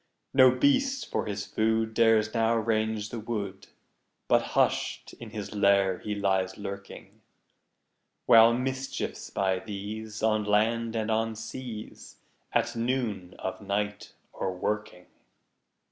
No beast, for his food, Dares now range the wood, But hush'd in his lair he lies lurking; While mischiefs, by these, On land and on seas, At noon of night are a working.